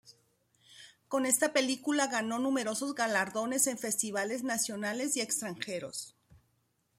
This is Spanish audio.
Con esta película ganó numerosos galardones en festivales nacionales y extranjeros.